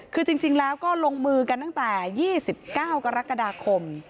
คือจริงแล้วก็ลงมือกันตั้งแต่๒๙กรกฎาคม